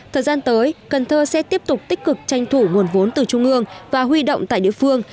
thời gian tới cần thơ sẽ tiếp tục tích cực tranh thủ nguồn vốn từ trung ương và huy động tại địa phương